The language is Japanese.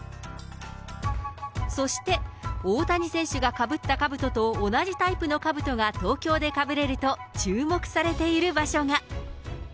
そして大谷選手がかぶったかぶとと同じタイプのかぶとが東京でかぶれると注目されている場所が。